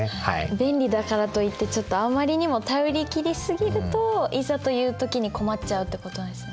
便利だからといってあまりにも頼り切りすぎるといざという時に困っちゃうってことですよね。